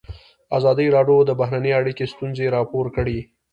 ازادي راډیو د بهرنۍ اړیکې ستونزې راپور کړي.